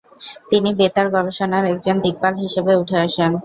তিনি বেতার গবেষণার একজন দিকপাল হিসেবে উঠে আসেন।